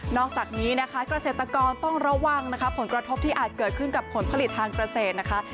อกจากนี้นะคะเกษตรกรต้องระวังนะคะผลกระทบที่อาจเกิดขึ้นกับผลผลิตทางเกษตรนะคะ